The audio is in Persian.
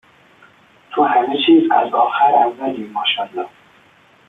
تو همه چیز از آخر اولیم ماشالا